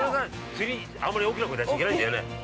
釣り、あんまり大きな声出しちゃいけないんだよね。